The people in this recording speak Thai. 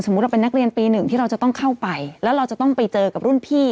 เราเป็นนักเรียนปีหนึ่งที่เราจะต้องเข้าไปแล้วเราจะต้องไปเจอกับรุ่นพี่